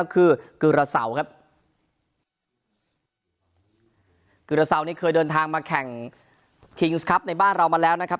กือเตอร์นี้เคยเดินทางมาแข่งคริงสครับในบ้านเรามาแล้วนะครับ